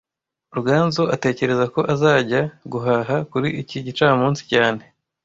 Ruganzu atekereza ko azajya guhaha kuri iki gicamunsi cyane